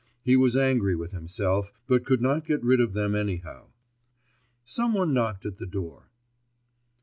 He was angry with himself, but could not get rid of them anyhow. Some one knocked at the door.